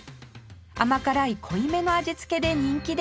甘辛い濃いめの味付けで人気です